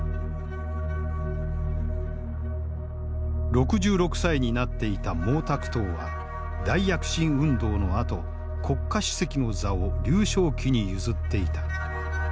６６歳になっていた毛沢東は大躍進運動のあと国家主席の座を劉少奇に譲っていた。